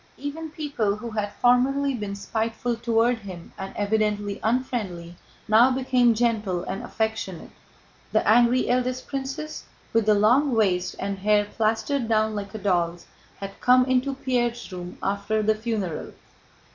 Even people who had formerly been spiteful toward him and evidently unfriendly now became gentle and affectionate. The angry eldest princess, with the long waist and hair plastered down like a doll's, had come into Pierre's room after the funeral.